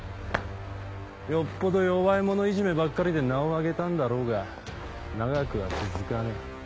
よっぽど弱い者いじめばっかりで名を上げたんだろうが長くは続かねえ。